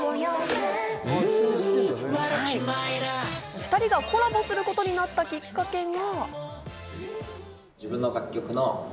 ２人がコラボすることになったきっかけが。